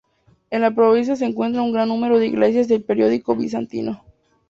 En la provincia se encuentran un gran número de iglesias del periodo bizantino.